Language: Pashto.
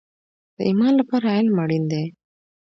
د ایمان لپاره علم اړین دی